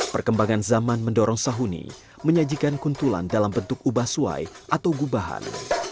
perkembangan zaman mendorong sahuni menyajikan kuntulan dalam bentuk ubah suai atau gubahan